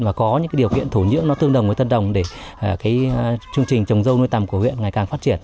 và có những điều kiện thổ nhưỡng nó tương đồng với thân đồng để cái chương trình trồng dâu nuôi tầm của huyện ngày càng phát triển